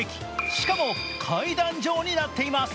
しかも階段状になっています。